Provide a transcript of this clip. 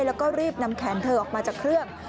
แล้วก็รีบนำแขนเธอออกมาจากเครื่อง